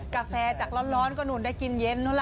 กาแฟจากร้อนก็นู่นได้กินเย็นนู้นล่ะ